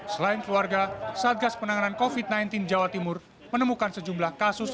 selain keluarga satgas penanganan covid sembilan belas jawa timur menemukan sejumlah kasus